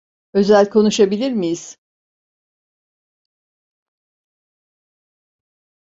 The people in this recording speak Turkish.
Özel konuşabilir miyiz?